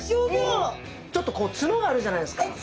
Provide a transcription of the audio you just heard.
ちょっとここ角があるじゃないですか。